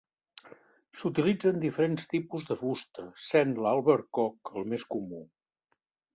S'utilitzen diferents tipus de fusta, sent l'albercoc el més comú.